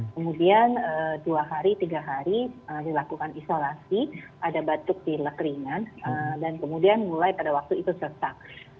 kemudian dua hari tiga hari dilakukan isolasi ada batuk di lekringan dan kemudian mulai pada waktu itu sesak